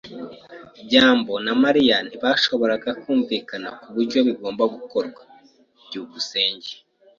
byambo na Mariya ntibashoboraga kumvikana kuburyo bigomba gukorwa. byukusenge